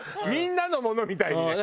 みんなのものみたいに？